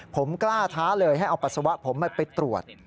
ผมกล้าท้าเลยให้เอาปัสสาวะผมไปตรวจ